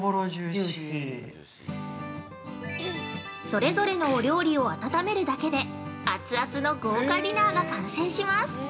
◆それぞれのお料理を温めるだけで、熱々の豪華デナーが完成します。